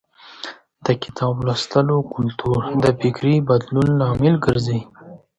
د کتاب لوستلو کلتور د فکري بدلون لامل ګرځي.